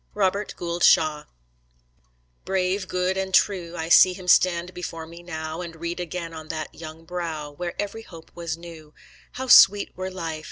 ROBERT GOULD SHAW Brave, good, and true, I see him stand before me now, And read again on that young brow, Where every hope was new, HOW SWEET WERE LIFE!